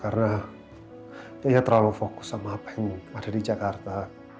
karena dia terlalu fokus sama apa yang ada di jakarta